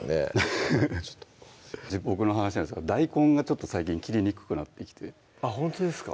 フフフ僕の話なんですけど大根が最近切りにくくなってきてあっほんとですか？